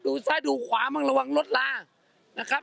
ซ้ายดูขวามั่งระวังรถลานะครับ